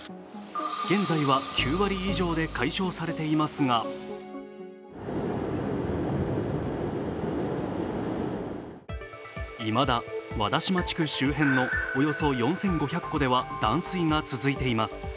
現在は９割以上で解消されていますがいまだ和田島地区周辺のおよそ４５００戸では断水が続いています。